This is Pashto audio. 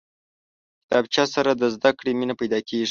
کتابچه سره د زده کړې مینه پیدا کېږي